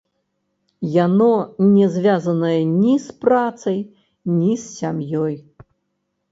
Яно не звязанае ні з працай, ні з сям'ёй.